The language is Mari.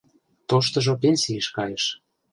Тоштыжо пенсийыш кайыш.